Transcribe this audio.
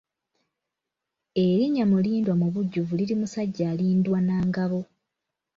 Erinnya Mulindwa mu bujjuvu liri Musajja alindwa na ngabo.